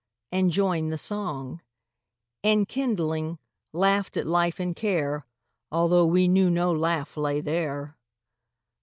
—and joined the song; And, kindling, laughed at life and care, Although we knew no laugh lay there.